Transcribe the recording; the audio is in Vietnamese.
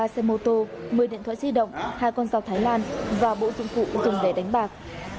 một mươi ba xe mô tô một mươi điện thoại di động hai con rau thái lan và bộ dung cụ dùng để đánh bạc